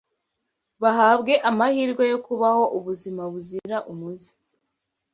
bahabwe amahirwe yo kubaho ubuzima buzira umuze